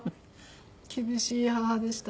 厳しい母でした。